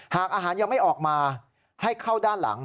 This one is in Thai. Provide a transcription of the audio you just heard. หากอาหารยังไม่ออกมาให้เข้าด้านหลัง